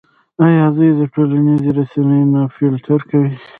آیا دوی ټولنیزې رسنۍ نه فلټر کوي؟